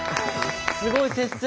すごい接戦。